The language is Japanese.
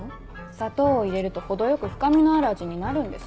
砂糖を入れると程よく深みのある味になるんです。